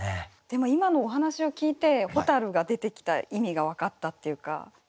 でも今のお話を聞いて蛍が出てきた意味が分かったっていうか。